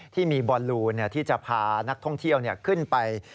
ที่มีบอลลูนที่จะพานักท่องเที่ยวขึ้นไป